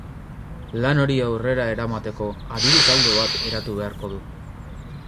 Lan hori aurrera eramateko, aditu talde bat eratu beharko du.